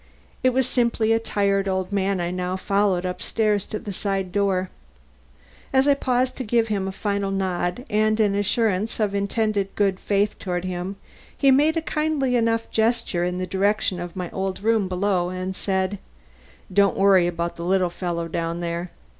It was simply a tired old man I now followed upstairs to the side door. As I paused to give him a final nod and an assurance of intended good faith toward him, he made a kindly enough gesture in the direction of my old room below and said: "Don't worry about the little fellow down there.